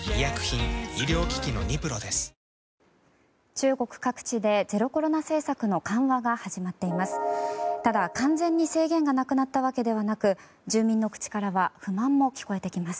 中国各地でゼロコロナ政策の緩和が始まっています。